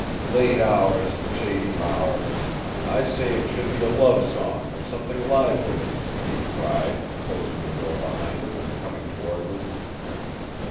"Late hours and shady bowers! I say it should be a love song or something livelier," he cried, closing the door behind him and coming toward them.